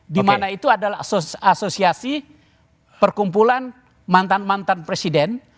di mana itu adalah asosiasi perkumpulan mantan mantan presiden